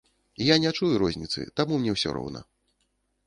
Я не чую розніцы, таму мне ўсё роўна.